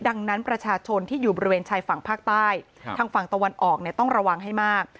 ดังนั้นประชาชนที่อยู่บริเวณชายฝั่งภาคใต้ทางฝั่งตะวันออกเนี่ยต้องระวังให้มาก